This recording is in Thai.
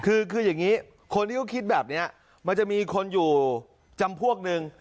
คืออย่างนี้คนที่เขาคิดแบบนี้มันจะมีคนอยู่จำพวกนึง